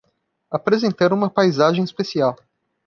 Apresentando uma paisagem especial